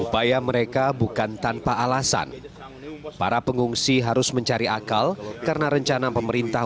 upaya mereka bukan tanpa alasan para pengungsi harus mencari akal karena rencana pemerintah